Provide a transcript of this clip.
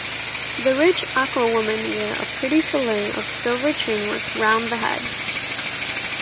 The rich Aka women wear a pretty filet of silver chain-work round the head.